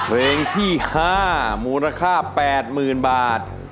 เพลงที่๕มูลค่า๘๐๐๐บาท